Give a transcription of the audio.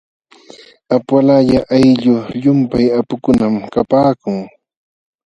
Apuqalaya ayllu llumpay apukunam kapaakun.